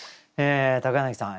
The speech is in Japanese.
柳さん